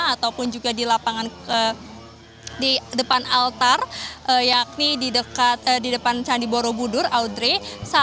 atau juga di depan altar yakni di depan candi borobudur audrey